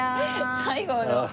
最後の。